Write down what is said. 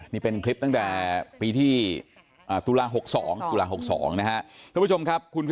นี่เป็นคลิปตั้งแต่ปีที่ตุลาค๖๒นะคะท่านผู้ชมครับคุณ